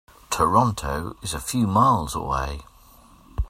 Toronto is a few miles away.